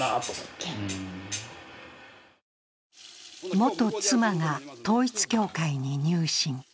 元妻が統一教会に入信。